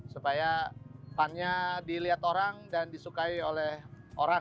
supaya fun nya dilihat orang dan disukai oleh orang